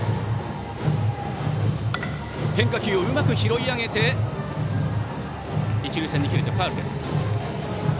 変化球をうまく拾い上げて一塁線に切れてファウルです。